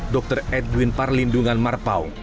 dr edwin parlindungan marpaung